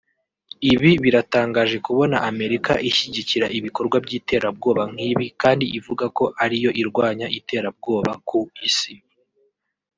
Ibi biratangaje kubona Amerika ishyigikira ibikorwa by’iterabwoba nk’ibi kandi ivuga ko ariyo irwanya iterabwoba ku isi